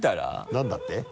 何だって？